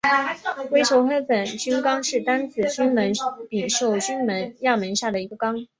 微球黑粉菌纲是担子菌门柄锈菌亚门下的一个纲。